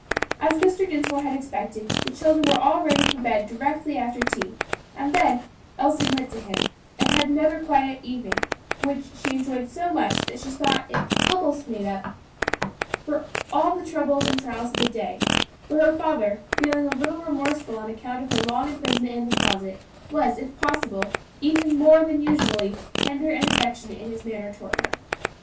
As Mr. Dinsmore had expected, the children were all ready for bed directly after tea; and then Elsie went to him, and had another quiet evening, which she enjoyed so much that she thought it almost made up for all the troubles and trials of the day; for her father, feeling a little remorseful on account of her long imprisonment in the closet, was, if possible, even more than usually tender and affectionate in his manner toward her.